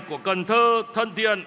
của cần thơ thân thiện